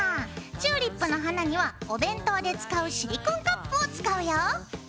チューリップの花にはお弁当で使うシリコンカップを使うよ。